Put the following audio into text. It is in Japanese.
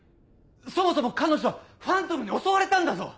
そもそも彼女はファントムに襲われたんだぞ！